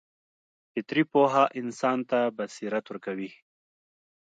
فطري پوهه انسان ته بصیرت ورکوي.